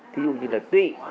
thí dụ như là tụy